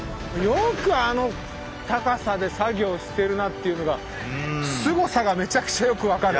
よくあの高さで作業してるなっていうのがすごさがめちゃくちゃよく分かる。